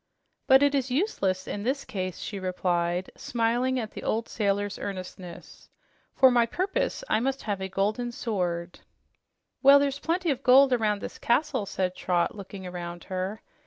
"But it is useless in this case," she replied, smiling at the old sailor's earnestness. "For my purpose I must have a golden sword." "Well, there's plenty of gold around this castle," said Trot, looking around her.